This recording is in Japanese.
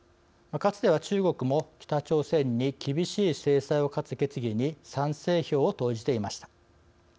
かつては中国も北朝鮮に厳しい制裁を課す決議に賛成票を投じていました。